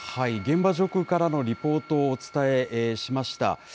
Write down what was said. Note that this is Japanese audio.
現場上空からのリポートをお伝えしました。